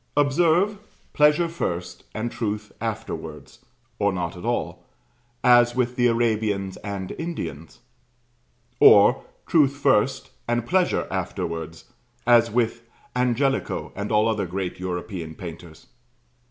Observe, pleasure first and truth afterwards, (or not at all,) as with the Arabians and Indians; or, truth first and pleasure afterwards, as with Angelico and all other great European painters.